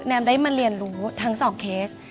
แนมได้มาเรียนรู้ทั้งสองเคส